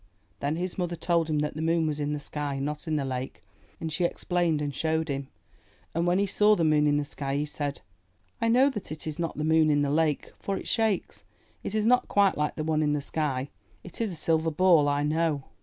*' Then his mother told him that the moon was in the sky, not in the lake, and she explained and showed him. And when he saw the moon in the sky, he said, ''I know that it is not the moon in the lake, for it shakes. It is not quiet like that one in the sky. It is a silver ball, I know.'